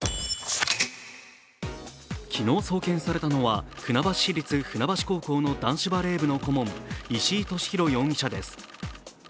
昨日送検されたのは船橋市立船橋高校の男子バレー部の顧問、石井利広容疑者です。